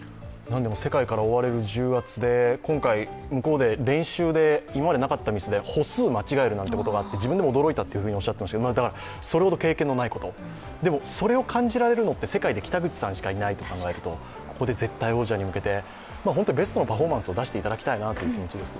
世界から追われる重圧で今回向こうで練習で、今までなかったミスで歩数を間違えるということもあって、自分でも驚いたとおっしゃっていましたけど、だから、それほど経験のないことでも、それを感じられるのって世界で北口さんしかいないと考えると、ここで絶対王者に向けて、ベストのパフォーマンスを出していただきたいという気持ちです。